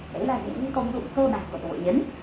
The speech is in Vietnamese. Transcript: đấy là những công dụng cơ bản của bộ yến